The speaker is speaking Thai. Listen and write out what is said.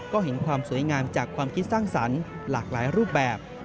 ก็เห็นความสวยงามจากความคิดสร้างสรรค์หลากหลายรูปแบบ